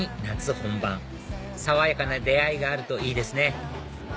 本番爽やかな出会いがあるといいですね